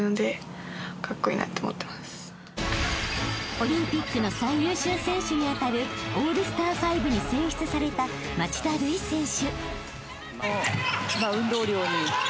［オリンピックの最優秀選手に当たるオールスター・ファイブに選出された町田瑠唯選手］